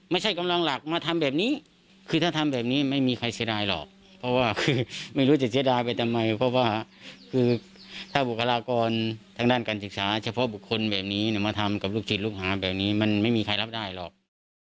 ไม่ใช่กำลังหลักมาทำแบบนี้คือถ้าทำแบบนี้ไม่มีใครเสียดายหรอกเพราะว่าคือไม่รู้จะเสียดายไปทำไมเพราะว่าคือถ้าบุคลากรทางด้านการศึกษาเฉพาะบุคคลแบบนี้มาทำกับลูกศิษย์ลูกหาแบบนี้มันไม่มีใครรับได้หรอก